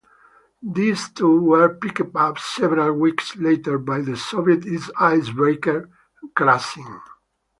These two were picked up several weeks later by the Soviet icebreaker "Krasin".